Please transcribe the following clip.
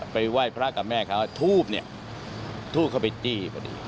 ไปไหว้พระกับแม่ทัวร์เขาถูบเข้าไปตี้